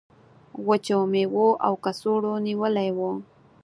وچو میوو او کڅوړو نیولی و.